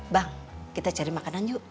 bang kita cari makanan yuk